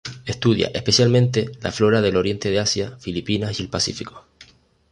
Estudia especialmente la flora del oriente de Asia, Filipinas y el Pacífico.